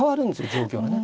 状況がね。